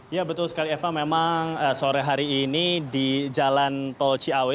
ya betul sekali eva memang sore hari ini di jalan tol ciawi